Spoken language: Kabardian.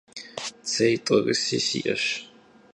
Цей тӀорыси сиӀэщ…